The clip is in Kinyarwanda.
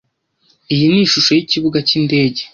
Iyi ni ishusho yikibuga cyindege.